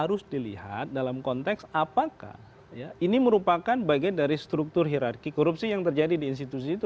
harus dilihat dalam konteks apakah ini merupakan bagian dari struktur hirarki korupsi yang terjadi di institusi itu